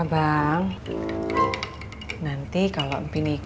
nah begitu berarti akang punya pendirian